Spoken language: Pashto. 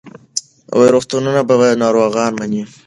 روغتونونه به ناروغان مني.